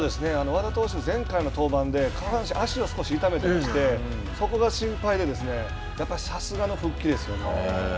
和田投手、前回の登板で下半身、足を痛めていましてそこが心配でやっぱりさすがの復帰ですね。